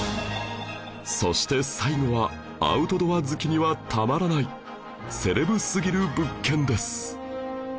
そして最後はアウトドア好きにはたまらないセレブすぎる物件です